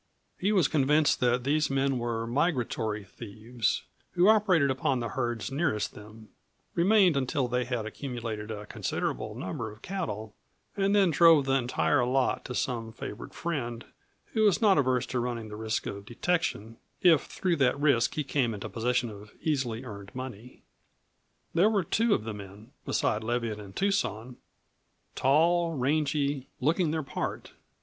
He was convinced that these men were migratory thieves, who operated upon the herds nearest them, remained until they had accumulated a considerable number of cattle, and then drove the entire lot to some favored friend who was not averse to running the risk of detection if through that risk he came into possession of easily earned money. There were two of the men, beside Leviatt and Tucson tall, rangy looking their part.